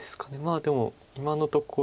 でも今のところ。